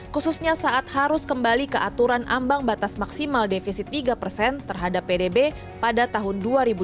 khususnya saat harus kembali ke aturan ambang batas maksimal defisit tiga persen terhadap pdb pada tahun dua ribu dua puluh